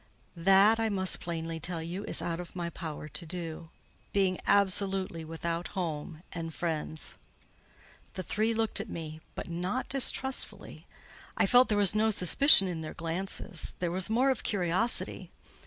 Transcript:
"That, I must plainly tell you, is out of my power to do; being absolutely without home and friends." The three looked at me, but not distrustfully; I felt there was no suspicion in their glances: there was more of curiosity.